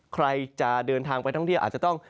ใครจะเดินทางไปท่องเที่ยวอาจจะต้อง